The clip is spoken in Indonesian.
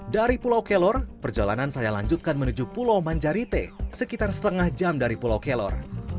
dari pulau kelor perjalanan saya lanjutkan menuju pulau manjarite sekitar setengah jam dari pulau kelor